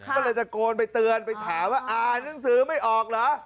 ก็เลยตะโกนไปเตือนไปถามว่าอ่านหนังสือไม่ออกเหรอ